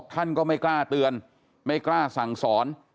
เมื่อยครับเมื่อยครับ